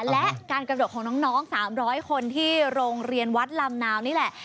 และการกระโดดของน้อง๓๐๐คนที่โรงเรียนวัดลำนาวนี่แหละ